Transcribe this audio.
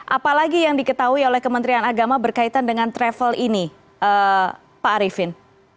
apalagi yang diketahui oleh kementerian agama berkaitan dengan travel ini pak arifin